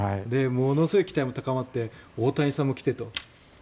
ものすごい期待も高まって大谷さんも来てと。